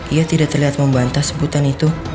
ia tidak terlihat membantah sebutan itu